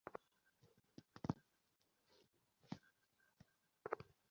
তৃতীয় দক্ষিণ African batsman হিসেবে করেছেন টানা তিনটি ম্যাচে সেঞ্চুরি করার রেকর্ড।